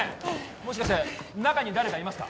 もしかして中に誰かいますか？